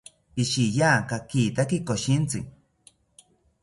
Pishiya kakitaki koshintzi